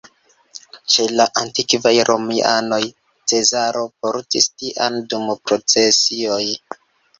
Ĉe la antikvaj romianoj Cezaro portis tian dum procesioj.